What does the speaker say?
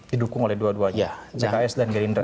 didukung oleh dua duanya pks dan gerindra